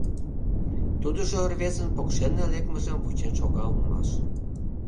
Тудыжо рвезын покшелне лекмыжым вучен шога улмаш.